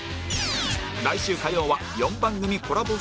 来週火曜は４番組コラボ